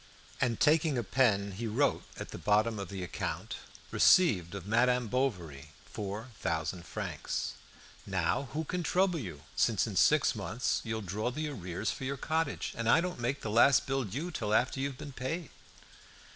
And taking a pen he wrote at the bottom of the account, "Received of Madame Bovary four thousand francs." "Now who can trouble you, since in six months you'll draw the arrears for your cottage, and I don't make the last bill due till after you've been paid?"